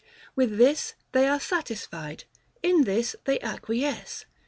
With this they are satisfied: in this they acquiesce.